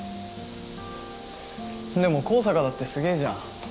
でも向坂だってすげえじゃん。